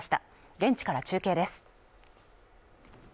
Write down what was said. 現地から中継です。